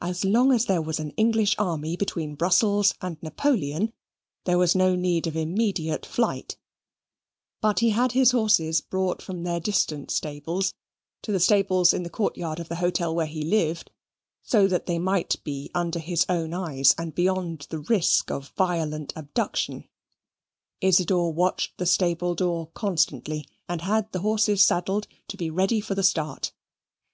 As long as there was an English army between Brussels and Napoleon, there was no need of immediate flight; but he had his horses brought from their distant stables, to the stables in the court yard of the hotel where he lived; so that they might be under his own eyes, and beyond the risk of violent abduction. Isidor watched the stable door constantly, and had the horses saddled, to be ready for the start.